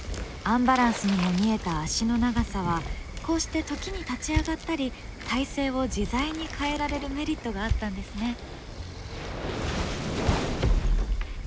アンバランスにも見えた足の長さはこうして時に立ち上がったり体勢を自在に変えられるメリットがあったんですね。